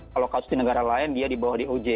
kalau kasus di negara lain dia dibawa di oj